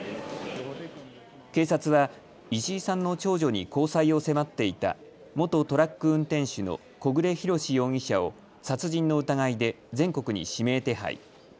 警察は石井さんの長女に交際を迫っていた元トラック運転手の小暮洋史容疑者を殺人の疑いで全国に指名手配。